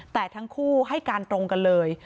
แต่ทั้งคู่ให้การตรงกันเลย